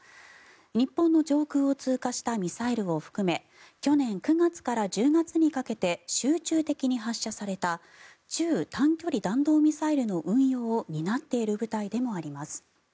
日本の上空を通過したミサイルを含め去年９月から１０月にかけて集中的に発射された中・短距離弾道ミサイルの運用を担っている部隊でもあります。